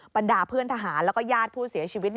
บรรดาเพื่อนทหารแล้วก็ญาติผู้เสียชีวิต